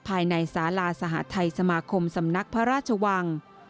ภายในสาลาสหทัยสมาคมสำนักพระราชวัง